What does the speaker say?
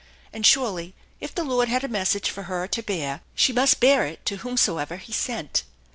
And surely, if the Lord had a message for her to bear, she must bear it to whomsoever He sent.